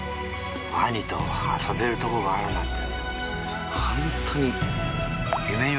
ワニと遊べる所があるなんて